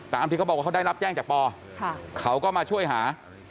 ที่เขาบอกว่าเขาได้รับแจ้งจากปอเขาก็มาช่วยหา